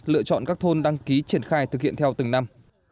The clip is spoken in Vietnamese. lựa chọn các thôn đăng ký triển khai thực hiện theo từng năm